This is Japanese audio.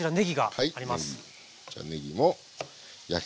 はい。